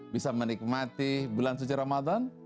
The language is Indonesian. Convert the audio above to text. bisa menikmati bulan suci ramadan